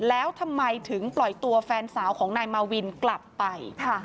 แล้วทำไมถึงปล่อยตัวแฟนสาวของนายมาวินกลับไป